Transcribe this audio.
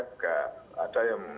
tidak ada yang